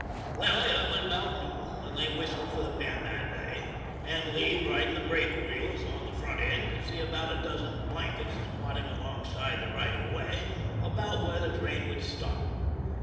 Well, it was about noon when they whistled for the Bend that day, and Lee, riding the brake wheels on the front end, could see about a dozen " blankets " squatting alongside the right of way about where the train would stop.